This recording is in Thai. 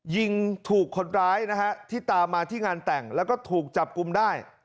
ยิงถูกคนร้ายนะฮะที่ตามมาที่งานแต่งแล้วก็ถูกจับกลุ่มได้